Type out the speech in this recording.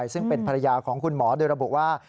ซึ่งเป็นภรรยาของคุณหมอโดยระบุว่า